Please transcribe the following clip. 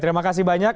terima kasih banyak